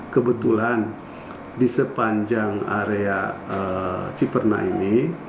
kebetulan di sepanjang area ciperna ini